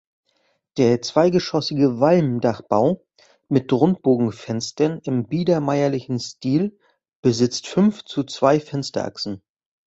Der zweigeschossige Walmdachbau mit Rundbogenfenstern im biedermeierlichen Stil besitzt fünf zu zwei Fensterachsen.